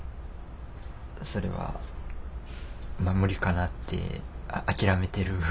それは無理かなって諦めてる。